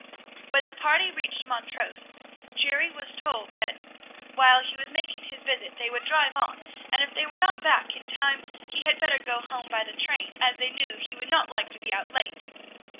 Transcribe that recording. When the party reached Montrose, Jerry was told that "while he was making his visit they would drive on, and if they were not back in time he had better go home by the train, as they knew he would not like to be out late."